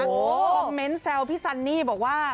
คอมเมนต์แซวพี่ซันนี่บอกว่า